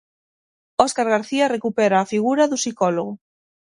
Óscar García recupera a figura do psicólogo.